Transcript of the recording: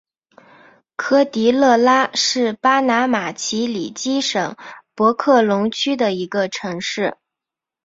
科迪勒拉是巴拿马奇里基省博克龙区的一个城市。